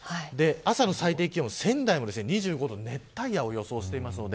朝の最低気温は仙台も２５度で熱帯夜を予想しています。